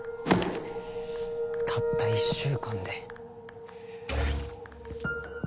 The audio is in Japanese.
たった１週間で？